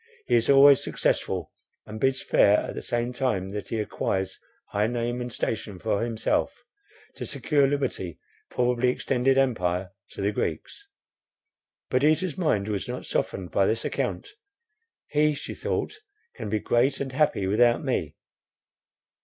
He is always successful, and bids fair, at the same time that he acquires high name and station for himself, to secure liberty, probably extended empire, to the Greeks." Perdita's mind was not softened by this account. He, she thought, can be great and happy without me.